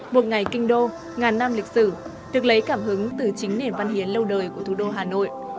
một ngày kinh đô ngàn nam lịch sử được lấy cảm hứng từ chính nền văn hiến lâu đời của thủ đô hà nội